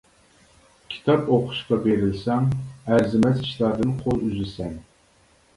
كىتاب ئوقۇشقا بېرىلسەڭ ئەرزىمەس ئىشلاردىن قول ئۈزىسەن.